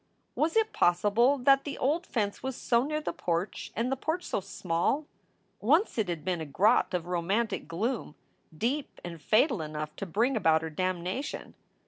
Was it possible that the old fence was so near the porch, and the porch so small? Once it had been a grot of romantic gloom, deep and fatal enough to bring about her damnation.